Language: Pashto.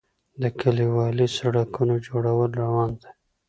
د کلیوالي سړکونو جوړول روان دي